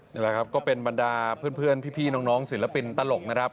นี่แหละครับก็เป็นบรรดาเพื่อนพี่น้องศิลปินตลกนะครับ